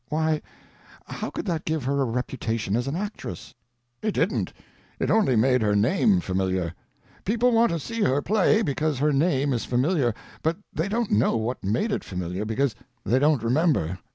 "Why, how could that give her a reputation as an actress?" "It didn't—it only made her name familiar. People want to see her play because her name is familiar, but they don't know what made it familiar, because they don't remember.